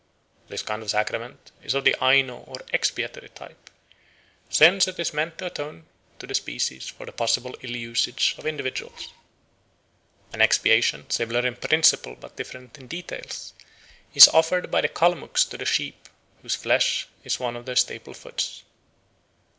This kind of sacrament is of the Aino or expiatory type, since it is meant to atone to the species for the possible ill usage of individuals. An expiation, similar in principle but different in details, is offered by the Kalmucks to the sheep, whose flesh is one of their staple foods.